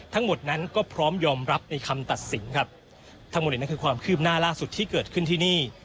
ทั้งหมดนั้นก็พร้อมยอมรับในคำตัดสินครับทั้งหมดนี้นั่นคือความคืบหน้าล่าสุดที่เกิดขึ้นที่นี่